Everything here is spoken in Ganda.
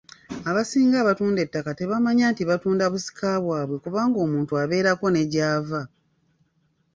Abasinga abatunda ettaka tebamanya nti batunda busika bwabwe kubanga omuntu abeerako ne gy’ava.